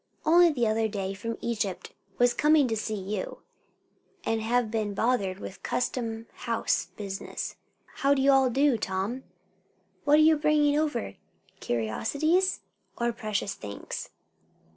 "Only the other day from Egypt was coming to see you, but have been bothered with custom house business. How do you all do, Tom?" "What are you bringing over? curiosities? or precious things?"